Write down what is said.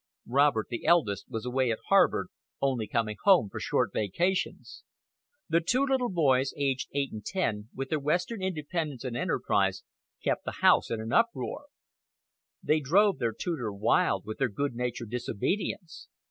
Robert the eldest was away at Harvard, only coming home for short vacations. The two little boys, aged eight and ten, with their western independence and enterprise, kept the house in an uproar. They drove their tutor wild with their good natured disobedience.